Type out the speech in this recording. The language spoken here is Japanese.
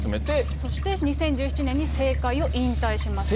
そして２０１７年に政界を引退しました。